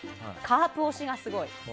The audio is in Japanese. カープ推しがすごい。